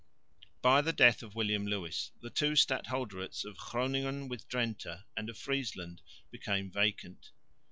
By the death of William Lewis the two stadholderates of Groningen with Drente and of Friesland became vacant.